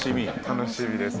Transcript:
楽しみです。